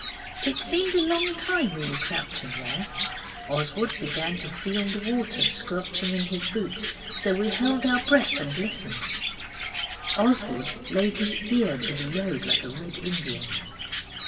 It seemed a long time we were crouching there. Oswald began to feel the water squelching in his boots, so we held our breath and listened. Oswald laid his ear to the road like a Red Indian.